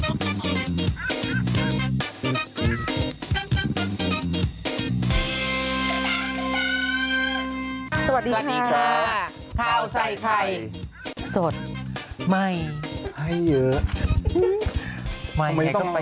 สวัสดีค่ะสวัสดีครับข้าวใส่ไข่สดไม่ให้เยอะไม่อย่างงี้ก็ไป